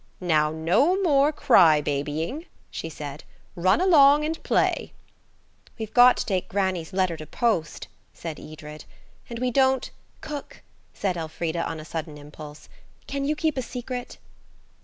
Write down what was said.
"Now, no more crybabying," she said; "run along and play." "We've got to take granny's letter to post," said Edred, "and we don't–" "Cook," said Elfrida, on a sudden impulse, "can you keep a secret?"